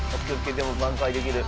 でも挽回できる。